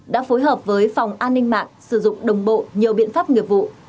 đã phối hợp với phòng an ninh mạng sử dụng đồng bộ nhiều biện pháp nghiệp vụ